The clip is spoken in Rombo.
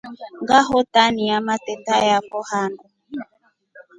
Ngahotania mateta yafo handu.